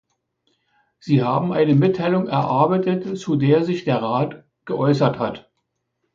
Sie haben eine Mitteilung erarbeitet, zu der sich der Rat geäußert hat.